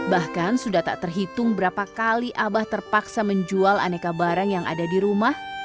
bahkan sudah tak terhitung berapa kali abah terpaksa menjual aneka barang yang ada di rumah